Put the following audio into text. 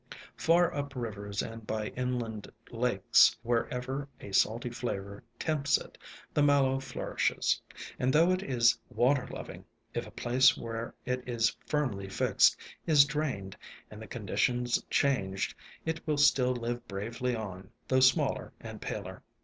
Far up rivers and by inland lakes, wherever a salty flavor tempts it, the Mallow flourishes; and though it is water loving, if a place where it is firmly fixed is drained, and the conditions changed, it will still live bravely on, though smaller and paler.